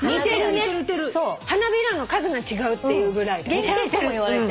花びらの数が違うっていうぐらい。